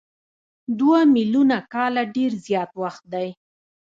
دوه میلیونه کاله ډېر زیات وخت دی.